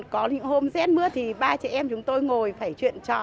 có những hôm rét bữa thì ba chị em chúng tôi ngồi phải chuyện trò